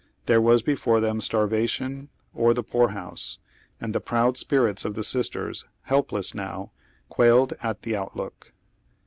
There was before them starvation, or the poor house. And the proud spirits of the sisters, helpless now, quailed at the outlook.